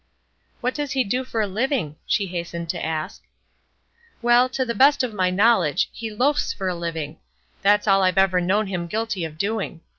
"What does he do for a living?" she hastened to ask. "Well, to the best of my knowledge, he loafs for a living. That's all I've ever known him guilty of doing.